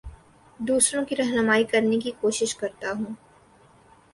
دوسروں کی رہنمائ کرنے کی کوشش کرتا ہوں